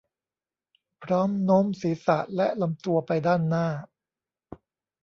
พร้อมโน้มศีรษะและลำตัวไปด้านหน้า